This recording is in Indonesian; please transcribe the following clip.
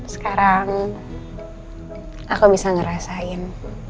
sekarang aku bisa ngerasain